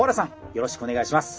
よろしくお願いします。